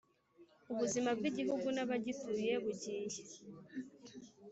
Ubuzima bw igihugu n abagituye bugiye